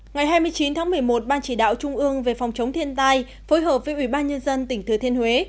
ngày hai mươi chín tháng một mươi một ban chỉ đạo trung ương về phòng chống thiên tai phối hợp với ủy ban nhân dân tỉnh thừa thiên huế